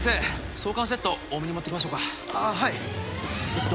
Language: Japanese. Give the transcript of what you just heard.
挿管セット多めに持っていきましょうかああはいえっと